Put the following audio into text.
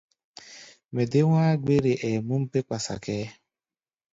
Mɛ dé wá̧á̧-gbére, ɛɛ múm bé kpasa kʼɛ́ɛ́.